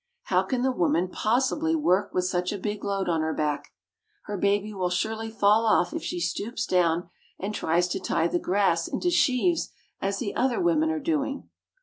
How can the woman possibly work with such a big load on her back ? Her baby will surely fall off if she stoops down and tries to tie the grass into sheaves as the other women are doing.